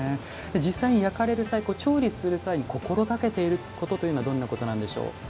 実際に焼かれる際調理する際に心がけていることというのはどんなことなんでしょう。